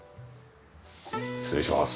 失礼します。